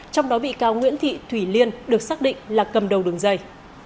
trong đó bị cáo nguyễn thị thủy liên được xác định là cầm đầu đường dây